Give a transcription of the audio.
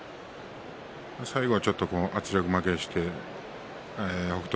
最後は、ちょっと圧力負けして北勝